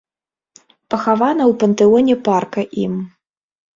Пахавана ў пантэоне парка ім.